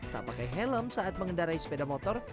tak pakai helm saat mengendarai sepeda motor